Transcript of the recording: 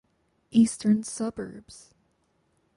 Eastern Suburbs